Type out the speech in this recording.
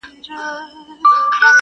هغه شملې ته پیدا سوی سر په کاڼو ولي-